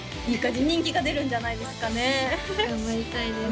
人気が出るんじゃないですかね頑張りたいです